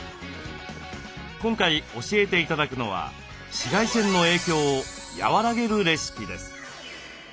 今回教えて頂くのは紫外線の影響を和らげるレシピです。